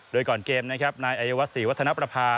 โดยก่อนเกมนะครับนายอายวัฒนศรีวัฒนประภา